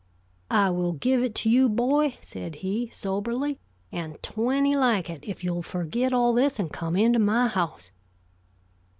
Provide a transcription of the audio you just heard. "I will give it to you, boy," said he, soberly, "and twenty like it, if you'll forget all this and come into my house."